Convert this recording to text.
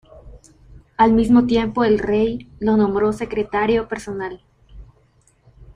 Al mismo tiempo el rey lo nombró Secretario personal.